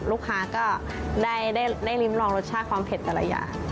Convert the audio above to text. ลูกค้าก็ได้ริมลองรสชาติความเผ็ดแต่ละอย่าง